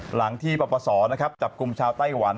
หลังที่ประสอบจับกุมชาวไต้หวัน